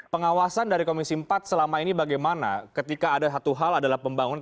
pengawasan dari komisi empat selama ini bagaimana ketika ada satu hal adalah pembangunan